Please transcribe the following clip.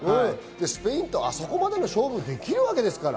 スペインとあそこまでの勝負ができるんですから。